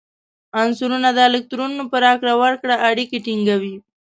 عنصرونه د الکترونونو په راکړه ورکړه اړیکې ټینګوي.